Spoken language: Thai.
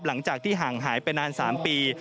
หลังจากที่ห่างหายไปนาน๓ปี